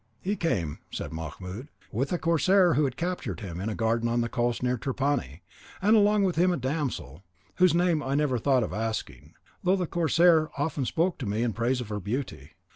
"He came," said Mahmoud, "with a corsair who had captured him in a garden on the coast near Trapani, and along with him a damsel, whose name I never thought of asking, though the corsair often spoke to me in praise of her beauty.